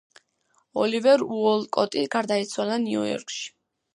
ოლივერ უოლკოტი გარდაიცვალა ნიუ-იორკში.